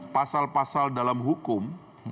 pasal pasal dalam hukum